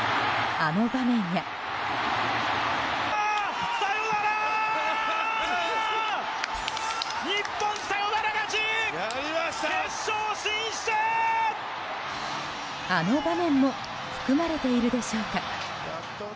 あの場面も含まれているでしょうか。